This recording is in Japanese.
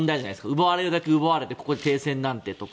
奪われるだけ奪われてここで停戦なんてとか。